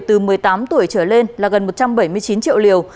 từ một mươi tám tuổi trở lên là gần một trăm bảy mươi chín triệu liều